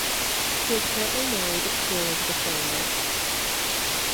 He is currently married to Elizabeth Rainer.